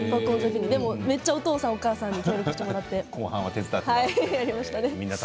めっちゃお父さんとお母さんに協力してもらいました。